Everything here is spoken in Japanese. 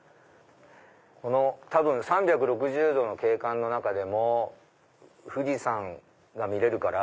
この多分３６０度の景観の中でも富士山が見れるから。